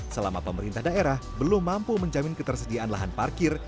selama pemerintah daerah belum mampu menjamin ketersediaan lahan parkir